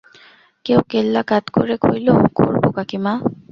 কেউ কেল্লা কাৎ করে কইল, করব কাকীমা।